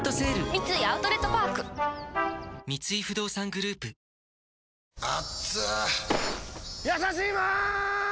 三井アウトレットパーク三井不動産グループやさしいマーン！！